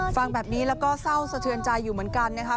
ฟังแบบนี้แล้วก็เศร้าสะเทือนใจอยู่เหมือนกันนะครับ